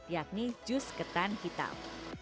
yakni jus ketan hitam